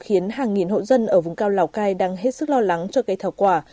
khiến hàng nghìn hộ dân ở vùng cao lào cai đang hết sức lo lắng cho cây thảo quả